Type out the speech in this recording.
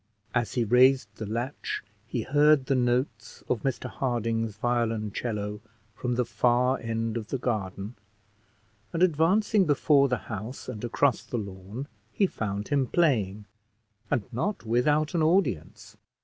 As he raised the latch he heard the notes of Mr Harding's violoncello from the far end of the garden, and, advancing before the house and across the lawn, he found him playing; and not without an audience.